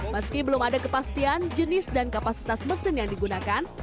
meski belum ada kepastian jenis dan kapasitas mesin yang digunakan